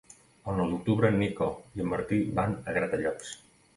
El nou d'octubre en Nico i en Martí van a Gratallops.